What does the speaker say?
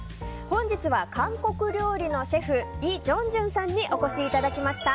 本日は韓国料理のシェフイ・ジョンジュンさんにお越しいただきました。